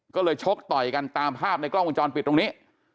ก็เลยชกต่อยกันตามภาพในกล้องวงจรปิดตรงนี้